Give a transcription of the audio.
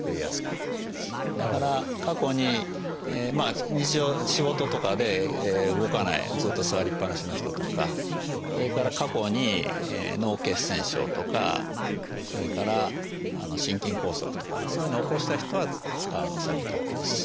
だから過去に日常仕事とかで動かないずっと座りっぱなしの人とかそれから過去に脳血栓症とかそれから心筋梗塞とかそういうのを起こした人は使うのを避けたほうがいいですし。